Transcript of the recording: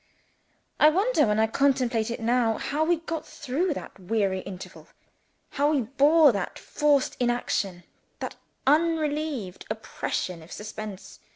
I wonder when I contemplate it now, how we got through that weary interval how we bore that forced inaction, that unrelieved oppression of suspense.